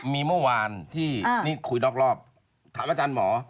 มีเมื่อวานที่นี่คุยนอกรอบถามอาจารย์หมอ